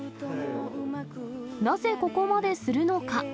なぜここまでするのか。